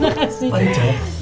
terima kasih bu